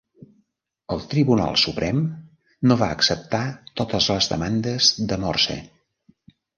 El Tribunal Suprem no va acceptar totes les demandes de Morse.